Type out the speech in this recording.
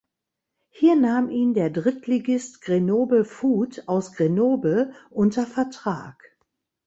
Hier nahm ihn der Drittligist Grenoble Foot aus Grenoble unter Vertrag.